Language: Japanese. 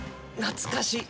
懐かしい。